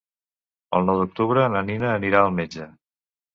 El nou d'octubre na Nina anirà al metge.